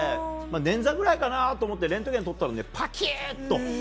捻挫くらいかなと思ってレントゲンを撮ったらパキッと。